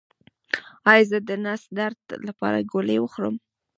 ایا زه د نس درد لپاره ګولۍ وخورم؟